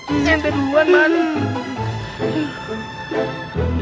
apa yang kita lakukan malam ini